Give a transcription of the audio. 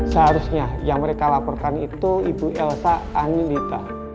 seharusnya yang mereka laporkan itu ibu elsa anindita